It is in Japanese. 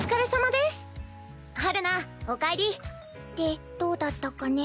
でどうだったかね？